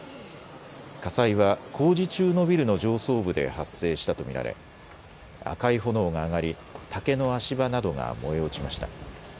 火災は工事中のビルの上層部で発生したと見られ赤い炎が上がり竹の足場などが燃え落ちました。